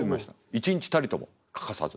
一日たりとも欠かさず。